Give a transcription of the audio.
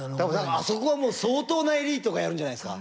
あそこはもう相当なエリートがやるんじゃないんですか？